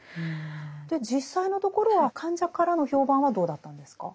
で実際のところは患者からの評判はどうだったんですか。